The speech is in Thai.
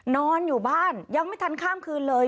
นอนอยู่บ้านยังไม่ทันข้ามคืนเลย